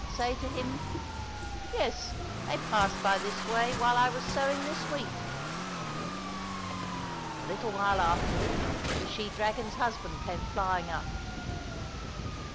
say to him, ' Yes, they passed by this way while I was sowing this wheat !'" A little while afterward the she dragon's husband came flying up.